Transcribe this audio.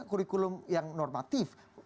kurikulum yang normatif